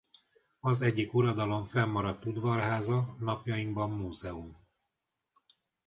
Az egyik uradalom fennmaradt udvarháza napjainkban múzeum.